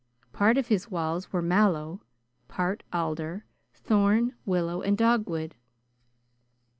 Part of his walls were mallow, part alder, thorn, willow, and dogwood.